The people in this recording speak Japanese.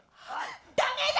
ダメだ！